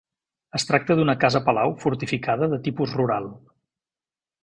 Es tracta d'una casa-palau fortificada de tipus rural.